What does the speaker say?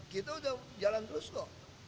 kita udah jalan terus kok